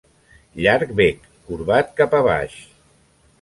Llarg bec, corbat cap a baix.